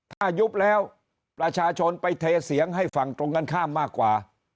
ถ้ายุบแล้วประชาชนไปเทเสียงให้ฝั่งตรงกันข้ามมากกว่า